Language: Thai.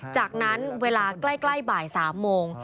จากนั้นเวลาใกล้บ่าย๓โมง